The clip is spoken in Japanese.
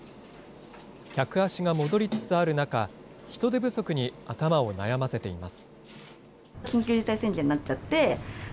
客足が戻りつつある中、人手不足に頭を悩ませています。